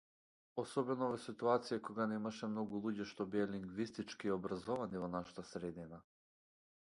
Особено во ситуацијата кога немаше многу луѓе што беа лингвистички образовани во нашата средина.